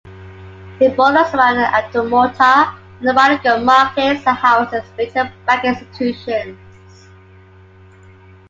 It borders around the idumota and Balogun markets and houses major Banking institutions.